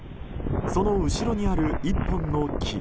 その後ろにある１本の木。